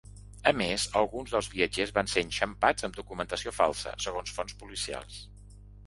A més, alguns dels viatgers van ser enxampats amb documentació falsa, segons fonts policials.